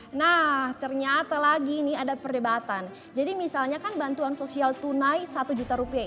hai nah ternyata lagi nih ada perdebatan jadi misalnya kan bantuan sosial tunai satu juta rupiah